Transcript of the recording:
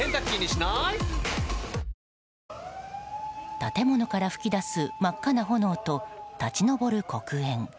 建物から噴き出す真っ赤な炎と立ち上る黒煙。